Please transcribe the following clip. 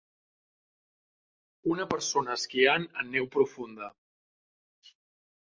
Una persona esquiant en neu profunda.